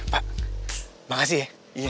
pak makasih ya